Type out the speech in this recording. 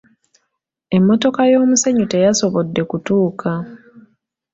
Emmotoka y'omusenyu teyasobodde kutuuka.